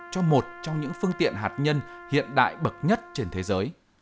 cho một trong những phương tiện hạt nhân hiện đại bậc nhất trên thế giới